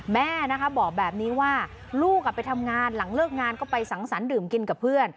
แม่นะคะบอกแบบนี้ว่าลูกไปทำงานหลังเลิกงานก็ไปสังสรรคดื่มกินกับเพื่อน